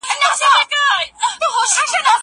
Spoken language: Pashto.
زه تمرين کړي دي!!